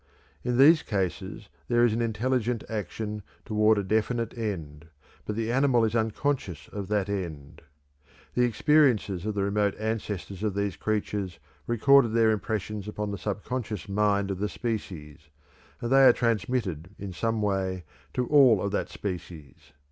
In these cases there is an intelligent action toward a definite end, but the animal is unconscious of that end. The experiences of the remote ancestors of these creatures recorded their impressions upon the subconscious mind of the species, and they are transmitted in some way to all of that species.